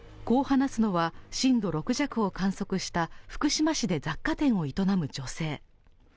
こう話すのは、震度６弱を観測した福島市で雑貨店を営む女性。